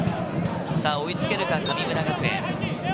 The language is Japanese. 追いつけるか、神村学園。